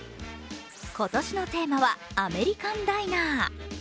今年のテーマはアメリカン・ダイナー。